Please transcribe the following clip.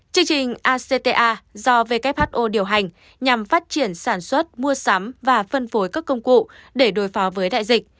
chương trình acta do who điều hành nhằm phát triển sản xuất mua sắm và phân phối các công cụ để đối phó với đại dịch